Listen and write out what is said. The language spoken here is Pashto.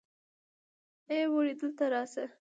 ای وړې دلته راشه.